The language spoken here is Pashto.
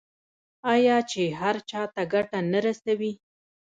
آیا چې هر چا ته ګټه نه رسوي؟